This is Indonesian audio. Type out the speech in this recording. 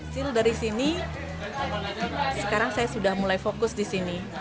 sill dari sini sekarang saya sudah mulai fokus di sini